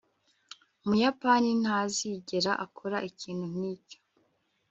umuyapani ntazigera akora ikintu nkicyo